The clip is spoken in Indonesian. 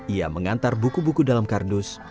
ia mengantar buku buku dalam kardus